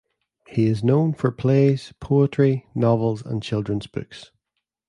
He is known for plays, poetry, novels, and children's books.